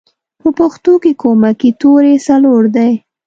په پښتو کې کومکی توری څلور دی